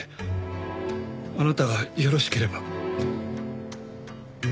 あなたがよろしければ。